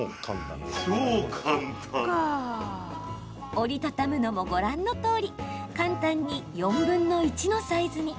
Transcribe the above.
折り畳むのもご覧のとおり簡単に４分の１のサイズに。